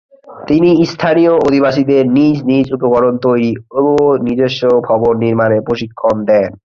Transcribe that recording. তিনি স্থানীয় অধিবাসীদের নিজ নিজ উপকরণ তৈরি ও নিজস্ব ভবন নির্মাণের প্রশিক্ষণ দেন।